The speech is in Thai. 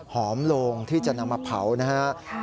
หอมโลงที่จะนำมาเผานะครับ